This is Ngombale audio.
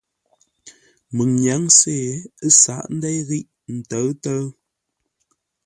Məŋ nyǎŋ-sê ə́ sǎghʼ ndéi ghíʼ ntə̌ʉ-ntə́ rəngû.